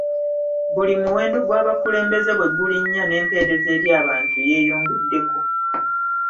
Buli omuwendo gw’abakulembeze bwe gulinnya n’empeereza eri abantu yeeyongeddeko.